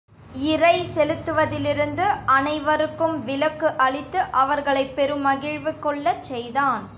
இறை செலுத்துவதிலிருந்து அனை வருக்கும் விலக்கு அளித்து அவர்களைப் பெரு மகிழ்வு கொள்ளச் செய்தான்.